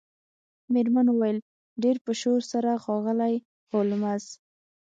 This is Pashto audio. میرمن وویل ډیر په شور سره ښاغلی هولمز